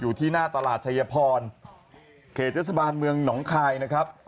อยู่ที่หน้าตลาดชายพรเขตเทศบาลเมืองหนองคายนะครับ